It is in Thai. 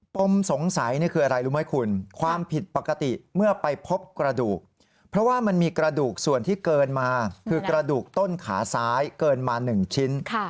ปมสงสัยนี่คืออะไรรู้ไหมคุณความผิดปกติเมื่อไปพบกระดูกเพราะว่ามันมีกระดูกส่วนที่เกินมาคือกระดูกต้นขาซ้ายเกินมา๑ชิ้น